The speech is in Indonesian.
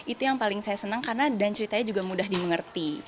itu yang paling saya senang karena dan ceritanya juga mudah dimengerti